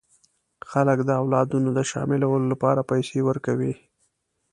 خلک د اولادونو د شاملولو لپاره پیسې ورکوي.